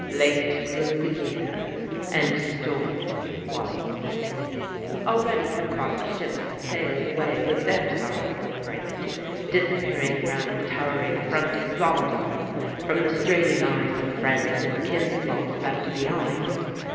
"Late grew the year, and stormy was the sea." Already had five ships sailed away with their sorrowful freight, disappearing around the towering front of Blomidon, from the straining eyes of friends and kinsfolk left behind.